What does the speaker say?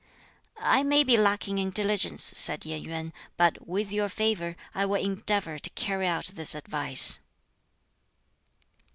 "I may be lacking in diligence," said Yen Yuen, "but with your favor I will endeavor to carry out this advice."